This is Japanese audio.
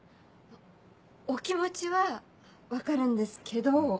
お気持ちは分かるんですけど。